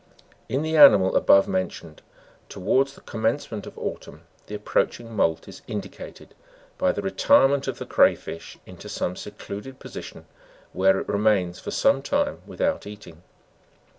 In the animal above men tioned, towards the commencement of autumn, the approaching moult is indicated by the retirement of the cray fish into some secluded position, where it remains for some time without eating.